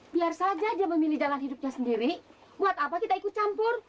biar saja dia memilih jalan hidupnya sendiri buat apa kita ikut campur